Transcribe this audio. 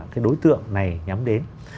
cái đối tượng này nhắm đến